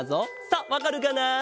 さあわかるかな？